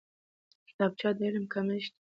کتابچه د علم کښت دی